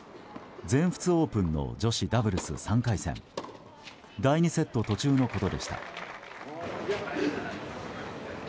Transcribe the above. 全仏オープンの女子ダブルス３回戦第２セット途中のことでした。